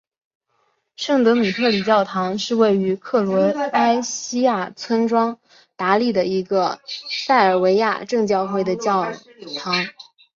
圣德米特里教堂是位于克罗埃西亚村庄达利的一个塞尔维亚正教会的教堂。